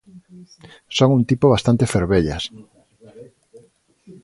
Son un tipo bastante fervellas;